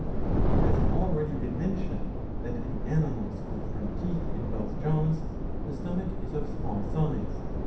2^ It has already been mentioned that in animals with front teeth in both jaws the stomach is of small size.